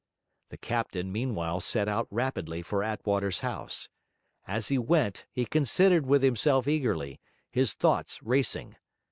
The captain meanwhile set out rapidly for Attwater's house. As he went, he considered with himself eagerly, his thoughts racing.